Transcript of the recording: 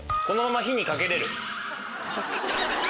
このまま火にかけられる。